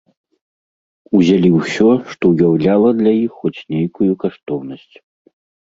Узялі ўсё, што ўяўляла для іх хоць нейкую каштоўнасць.